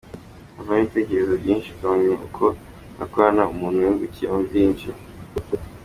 Havamo ibitekerezo byinshi ukamenya uko mwakorana umuntu yungukiyemo byinshi.